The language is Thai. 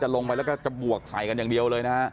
ลงไปแล้วก็จะบวกใส่กันอย่างเดียวเลยนะฮะ